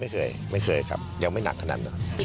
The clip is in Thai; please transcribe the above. ไม่เคยไม่เคยครับยังไม่หนักขนาดนั้น